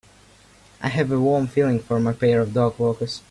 I have a warm feeling for my pair of dogwalkers.